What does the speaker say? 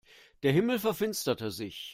Der Himmel verfinsterte sich.